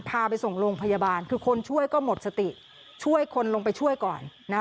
พาไปส่งโรงพยาบาลคือคนช่วยก็หมดสติช่วยคนลงไปช่วยก่อนนะ